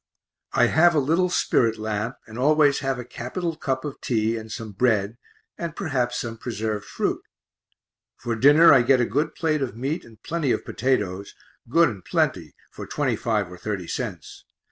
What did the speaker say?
I have a little spirit lamp, and always have a capital cup of tea, and some bread, and perhaps some preserved fruit; for dinner I get a good plate of meat and plenty of potatoes, good and plenty for 25 or 30 cents.